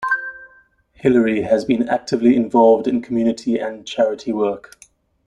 Hilary has been actively involved in community and charity work.